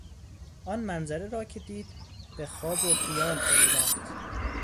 آن منظره را که دید به خواب و خیال فرو رفت.